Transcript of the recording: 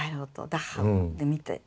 ダッハウで見て。